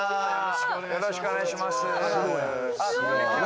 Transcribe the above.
よろしくお願いします。